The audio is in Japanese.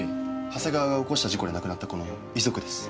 長谷川が起こした事故で亡くなった子の遺族です。